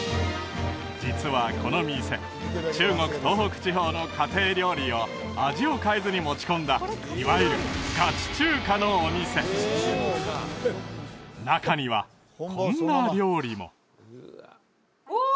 実はこの店中国東北地方の家庭料理を味を変えずに持ち込んだいわゆるガチ中華のお店中にはこんな料理もお！